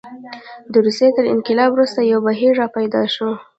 د روسیې تر انقلاب وروسته یو بهیر راپیدا شو.